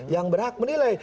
yang berhak menilai